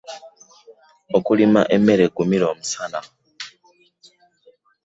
Okulima emmere egumira omusaana.